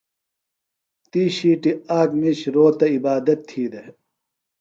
تی ݜِیٹی آک مِیش روتہ عبادت تھی دےۡ۔